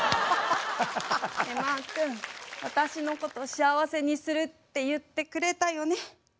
ねえまー君私のこと幸せにするって言ってくれたよね。